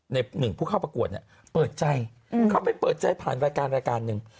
หนึ่งผู้เข้าประกวดเนี่ยเปิดใจเขาไปเปิดใจผ่านรายการรายการหนึ่ง